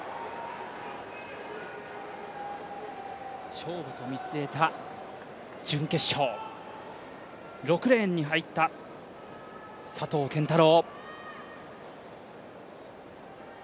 勝負と見据えた準決勝、６レーンに入った佐藤拳太郎。